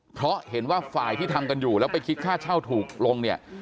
เพราะเห็นว่าฝ่ายที่ทำกันอยู่แล้วไปคิดค่าเช่าถูกลงเนี่ย